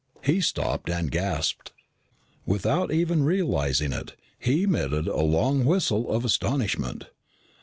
He stopped and gasped. Without even realizing it, he emitted a long whistle of astonishment.